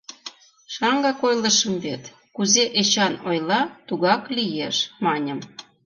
— Шаҥгак ойлышым вет: кузе Эчан ойла, тугак лиеш, маньым.